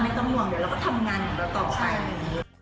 ไม่ต้องห่วงเดี๋ยวเราก็ทำงานของเราต่อไป